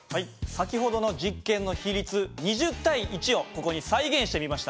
先ほどの実験の比率２０対１をここに再現してみました。